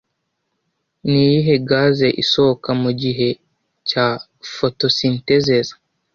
Ni iyihe gaze isohoka mugihe cya fotosintezeza